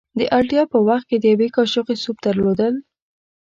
د اړتیا په وخت کې د یوې کاشوغې سوپ درلودل.